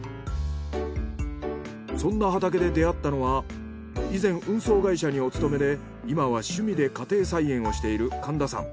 そんな畑で出会ったのは以前運送会社にお勤めで今は趣味で家庭菜園をしている神田さん。